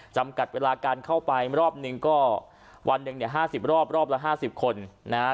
จำกัดเวลาการเข้าไปรอบหนึ่งก็วันหนึ่งเนี่ย๕๐รอบรอบละ๕๐คนนะฮะ